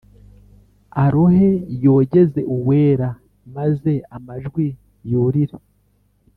Arohe yogeze Uwera maze amajwi yurire